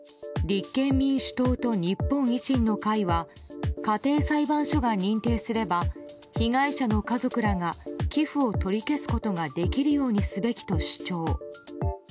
立憲民主党と日本維新の会は家庭裁判所が認定すれば被害者の家族らが寄付を取り消すことができるようにすべきと主張。